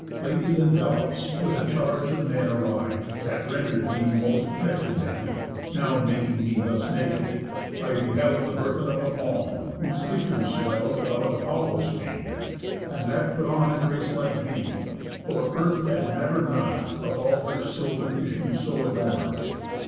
Lately in Delos (with a charge of men Arriv'd, that render'd me most wretched then, Now making me thus naked) I beheld The burthen of a palm, whose issue swell'd About Apollo's fane, and that put on A grace like thee; for Earth had never none Of all her sylvan issue so adorn'd.